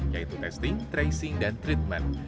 yaitu testing tracing dan treatment